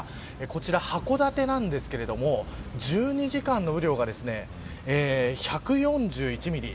こちら函館なんですけれども１２時間の雨量が１４１ミリ。